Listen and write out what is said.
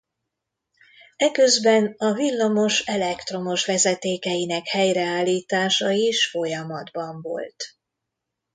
Eközben a villamos elektromos vezetékeinek helyreállítása is folyamatban volt.